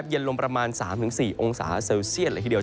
เย็นลงประมาณ๓๔องศาเซลเซียตเลยทีเดียว